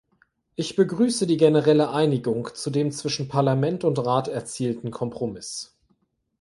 Ich begrüße die generelle Einigung zu dem zwischen Parlament und Rat erzielten Kompromiss.